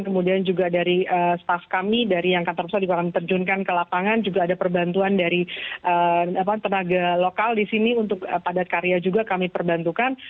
kemudian juga dari staff kami dari yang kantor pusat juga kami terjunkan ke lapangan juga ada perbantuan dari tenaga lokal di sini untuk padat karya juga kami perbantukan